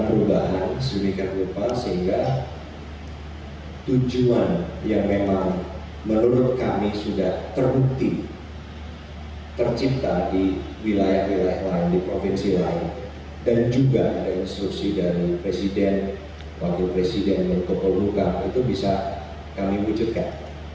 perubahan sehingga tujuan yang memang menurut kami sudah terbukti tercipta di wilayah wilayah lain di provinsi lain dan juga instruksi dari presiden wakil presiden menko polhukam itu bisa kami wujudkan